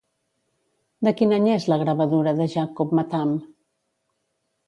De quin any és la gravadura de Jacob Matham?